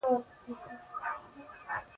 تل یې سپینې پاکې جامې اغوستې وې.